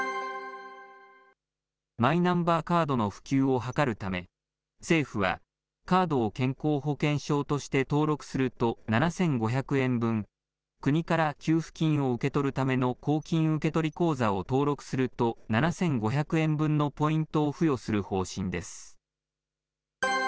マイナンバーカードの普及を図るため、政府は、カードを健康保険証として登録すると７５００円分、国から給付金を受け取るための公金受取口座を登録すると、７５００円分のポイントを付与する方針です。